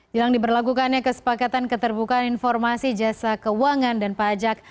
jelang diberlakukannya kesepakatan keterbukaan informasi jasa keuangan dan pajak